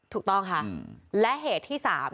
ถูกต้องค่ะและเหตุที่๓